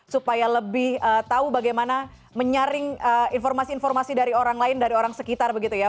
supaya lebih tahu bagaimana menyaring informasi informasi dari orang lain dari orang sekitar begitu ya